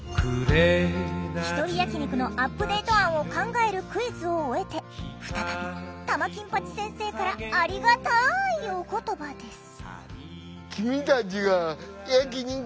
ひとり焼き肉のアップデート案を考えるクイズを終えて再び玉金八先生からありがたいお言葉です。